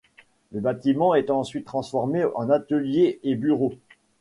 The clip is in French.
Le bâtiment est ensuite transformé en ateliers et bureaux.